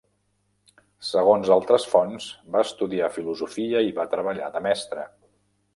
Segons altres fonts, va estudiar filosofia i va treballar de mestre.